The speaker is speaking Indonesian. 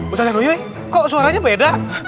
ustaz januyuy kok suaranya beda